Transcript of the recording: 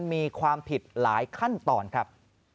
มีความผิดหลายขั้นตอนครับ